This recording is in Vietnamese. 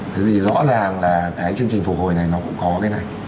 thế thì rõ ràng là cái chương trình phục hồi này nó cũng có cái này